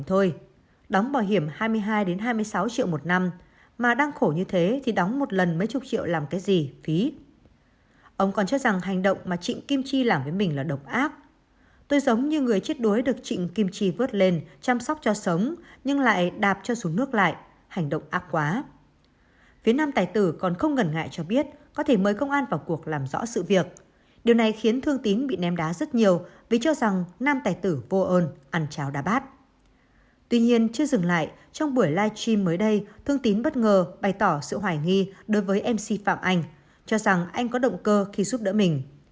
tuy nhiên chưa dừng lại trong buổi live stream mới đây thương tín bất ngờ bày tỏ sự hoài nghi đối với mc phạm anh cho rằng anh có động cơ khi giúp đỡ mình